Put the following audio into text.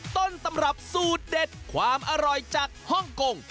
ต้นตำรับสูตรเด็ดความอร่อยจากฮ่องกง